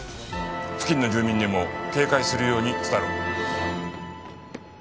付近の住民にも警戒するように伝えろ。